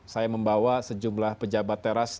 saya membawa sejumlah pejabat teras